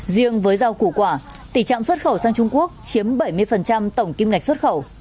riêng với rau củ quả tỉ trọng xuất khẩu sang trung quốc chiếm bảy mươi tổng kim ngạch xuất khẩu